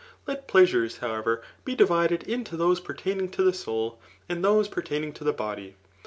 Let pleasures, however, be divided into those pertaining to the soul, and Aose pertaining to the body.